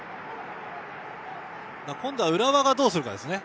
今度は浦和がどうするかですよね。